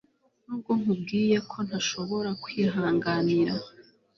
Nubwo nkubwiye ko ntashobora kwihanganira